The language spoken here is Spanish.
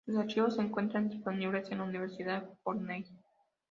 Sus archivos se encuentran disponibles en la Universidad Cornell.